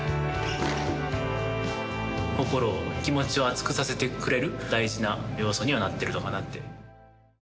心を気持ちを熱くさせてくれる大事な要素にはなってるのかなって。